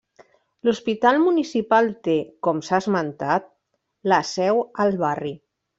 L'hospital Municipal té, com s'ha esmentat, la seu al barri.